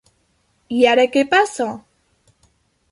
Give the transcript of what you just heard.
I ara què passa?